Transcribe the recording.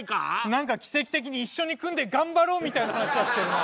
何か奇跡的に一緒に組んで頑張ろうみたいな話はしてるな。